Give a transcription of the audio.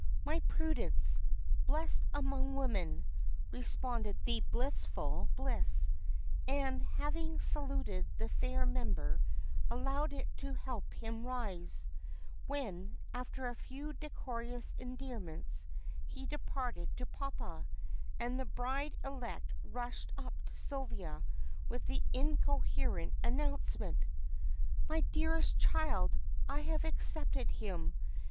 "My Prudence, blessed among women!" responded the blissful Bliss. And having saluted the fair member, allowed it to help him rise; when, after a few decorous endearments, he departed to papa, and the bride elect rushed up to Sylvia with the incoherent announcement "My dearest child, I have accepted him!